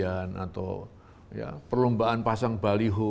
atau perlombaan pasang baliho